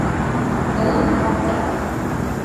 Ул, аптырап: